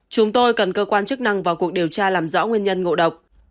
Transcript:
chúng tôi cần cơ quan chức năng vào cuộc điều tra làm rõ nguyên nhân ngộ độc